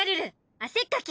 あせっか鬼！